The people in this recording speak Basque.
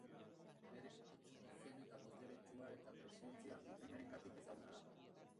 Bere ahots ozen eta boteretsua eta presentzia bikainarengatik ezaguna da.